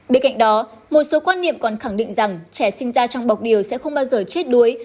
bên cạnh đó một số quan niệm còn khẳng định rằng trẻ sinh ra trong bọc điều sẽ không bao giờ chết đuối